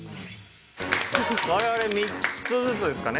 我々３つずつですかね。